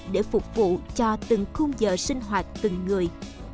để phục vụ cho từng khung giờ sinh hoạt từng người